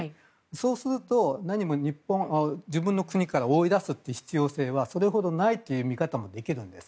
そうすると、何も自分の国から追い出す必要性はそれほどないという見方もできるんです。